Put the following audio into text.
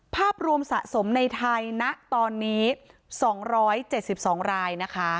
ภาพรวมสะสมในทายณตอนนี้๒๗๒ราย